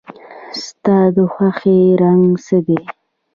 ستا د خوښې رنګ څه دی؟